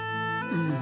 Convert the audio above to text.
うん。